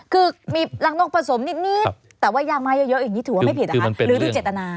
คือมีรังนกผสมนิดแต่ว่ายางไม้เยอะอย่างนี้ถือว่าไม่ผิดนะคะหรือดูเจตนา